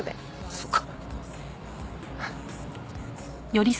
そっか。